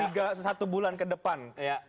tiga satu bulan ke depan